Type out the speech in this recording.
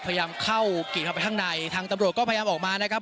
พยายามเข้ากิ่งเข้าไปข้างในทางตำรวจก็พยายามออกมานะครับ